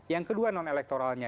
yang kedua non elektoralnya